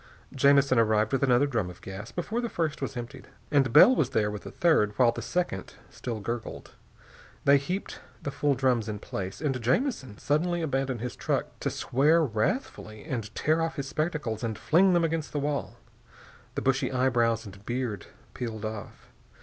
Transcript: Jamison arrived with another drum of gas before the first was emptied, and Bell was there with a third while the second still gurgled. They heaped the full drums in place, and Jamison suddenly abandoned his truck to swear wrathfully and tear off his spectacles and fling them against the wall. The bushy eyebrows and beard peeled off.